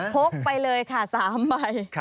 กไปเลยค่ะ๓ใบ